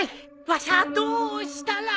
わしゃどうしたら